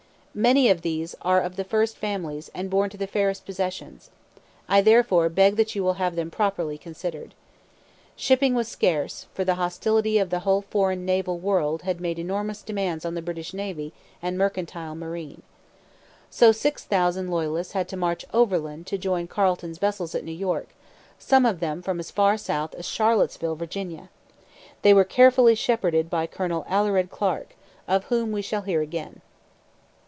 'Many of these are of the first families and born to the fairest possessions. I therefore beg that you will have them properly considered.' Shipping was scarce; for the hostility of the whole foreign naval world had made enormous demands on the British navy and mercantile marine. So six thousand Loyalists had to march overland to join Carleton's vessels at New York, some of them from as far south as Charlottesville, Virginia. They were carefully shepherded by Colonel Alured Clarke, of whom we shall hear again.